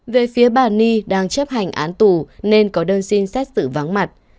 về phía bà ni đang chấp hành án tù nên có đơn xin xét xử vắng mặt